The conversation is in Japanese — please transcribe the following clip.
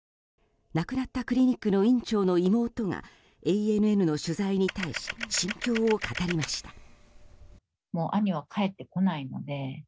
亡くなったクリニックの院長の妹がＡＮＮの取材に対し心境を語りました。